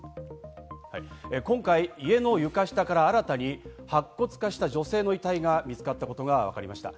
今回、家の床下から新たに白骨化した女性の遺体が見つかったことがわかりました。